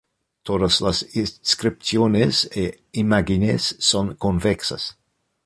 Todas las inscripciones e imágenes son convexas.